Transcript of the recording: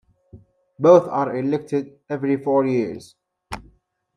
Both are elected every four years.